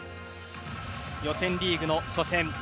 予選リーグの初戦。